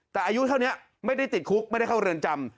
แต่อายุเท่านี้ไม่ได้ติดคุกไม่ได้เข้าเรือนจำ